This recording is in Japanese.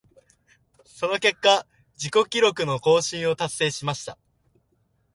その結果、自己記録の更新を達成しました。